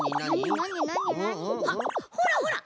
あっほらほら！